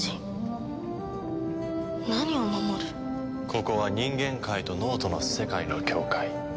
ここは人間界と脳人の世界の境界。